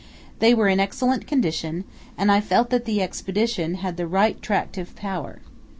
They were in excellent condition, and I felt that the Expedition had the right tractive power.